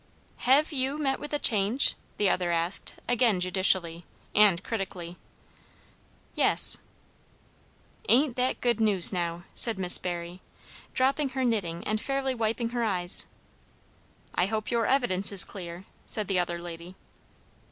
"Hev' you met with a change?" the other asked, again judicially, and critically. "Yes." "Ain't that good news, now!" said Miss Barry, dropping her knitting and fairly wiping her eyes. "I hope your evidence is clear," said the other lady.